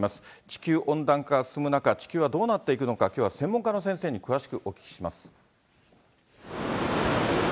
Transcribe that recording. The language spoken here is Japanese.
地球温暖化進む中、地球はどうなっていくのか、きょうは専門家の先生に詳しくお聞きします。